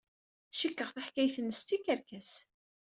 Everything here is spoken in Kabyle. Cikkeɣ taḥkayt-nnes d tikerkas.